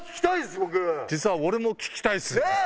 僕実は俺も聴きたいっす